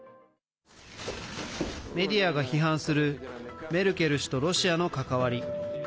メディアが批判するメルケル氏とロシアの関わり。